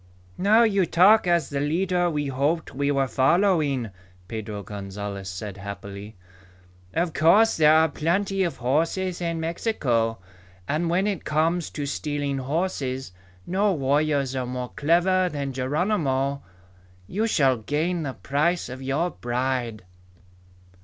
"Now you talk as the leader we hoped we were following," Pedro Gonzalez said happily. "Of course there are plenty of horses in Mexico. And when it comes to stealing horses, no warriors are more clever than Geronimo. You shall gain the price of your bride."